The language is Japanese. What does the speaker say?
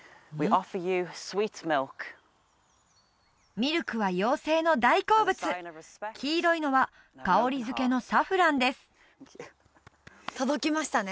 ミルクは妖精の大好物黄色いのは香りづけのサフランです届きましたね